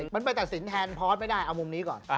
มันไปตัดสินแทนพอร์ตไม่ได้เอามุมนี้ก่อน